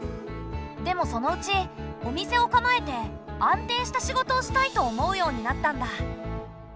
でもそのうちお店を構えて安定した仕事をしたいと思うようになったんだ。